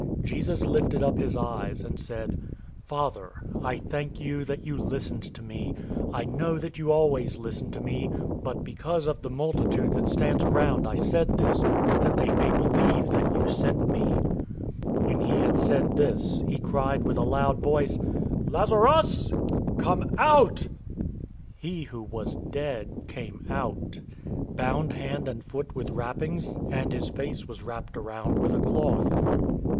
"} Jesus lifted up his eyes, and said, "Father, I thank you that you listened to me. 011:042 I know that you always listen to me, but because of the multitude that stands around I said this, that they may believe that you sent me." 011:043 When he had said this, he cried with a loud voice, "Lazarus, come out!" 011:044 He who was dead came out, bound hand and foot with wrappings, and his face was wrapped around with a cloth.